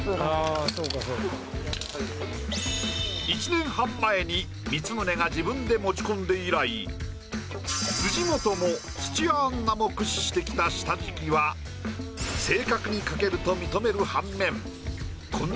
１年半前に光宗が自分で持ち込んで以来辻元も土屋アンナも駆使してきた下敷きは正確に描けると認める半面。